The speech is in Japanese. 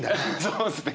そうですね。